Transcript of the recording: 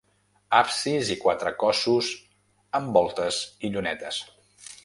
Absis i quatre cossos amb voltes i llunetes.